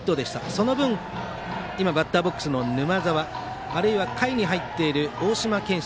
その分、今バッターボックスの沼澤あるいは下位に入っている大島健真